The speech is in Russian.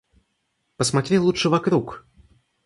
Посмотри лучше вокруг.